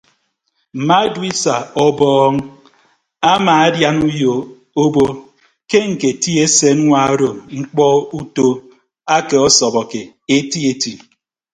Mma duisa ubọọñ amaadian do obo ke ñketi eseñwa odo ñkpọ uto ake ọsọbọke eti eti.